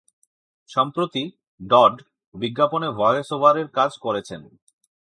সম্প্রতি, ডড বিজ্ঞাপনে ভয়েসওভারের কাজ করেছেন।